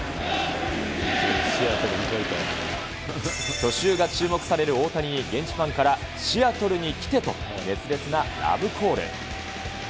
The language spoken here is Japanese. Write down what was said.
去就が注目される大谷に、現地ファンから、シアトルに来てと熱烈なラブコール。